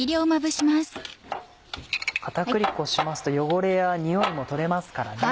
片栗粉しますと汚れや臭いも取れますからね。